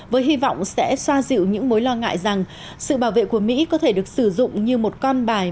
với hy vọng sẽ xoa dịu những mối lo ngại rằng sự bảo vệ của mỹ có thể được sử dụng như một con bài